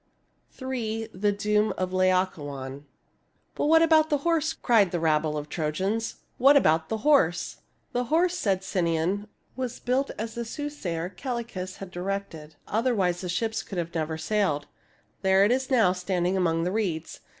IV. THE DOOM OF LAOCOON " But what about the horse ?" cried the rabble of Trojans. " What about the horse ?"" The horse," said Sinon, " was built as the soothsayer, Calchas, had directed. Otherwise, the ships could never have sailed. There it is now, standing among the reeds.